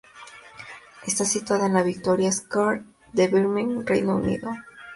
Está situado en la Victoria Square de Birmingham, Reino Unido.